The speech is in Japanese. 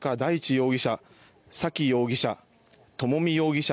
容疑者沙喜容疑者、朝美容疑者